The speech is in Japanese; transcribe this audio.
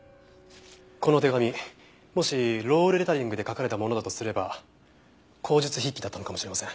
この手紙もしロールレタリングで書かれたものだとすれば口述筆記だったのかもしれません。